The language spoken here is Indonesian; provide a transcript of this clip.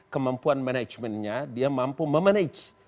kemampuan manajemennya dia mampu memanage